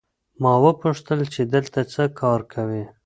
ما وپوښتل چې دلته څه کار کوې؟